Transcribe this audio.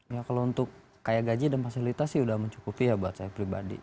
ya kalau untuk kayak gaji dan fasilitas sih udah mencukupi ya buat saya pribadi